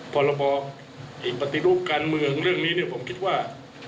พรบปฏิรูปการเมืองเรื่องนี้ผมคิดว่า